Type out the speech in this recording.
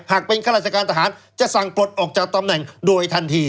หากเป็นข้าราชการทหารจะสั่งปลดออกจากตำแหน่งโดยทันที